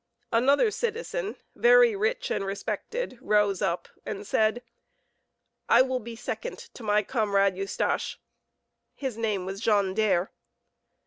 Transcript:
Another citizen, very rich and respected, rose up and said, "I will be second to my comrade, Eustache." His name was Jean Daire.